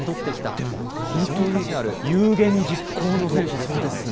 でも本当に有言実行の選手ですよね。